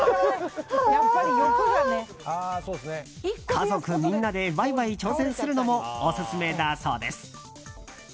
家族みんなでワイワイ挑戦するのもオススメだそうです。